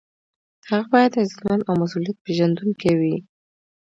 هغه باید عزتمند او مسؤلیت پیژندونکی وي.